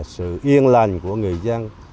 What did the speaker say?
sự yên lành của người dân